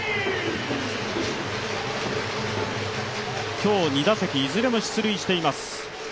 今日、２打席いずれも出塁しています。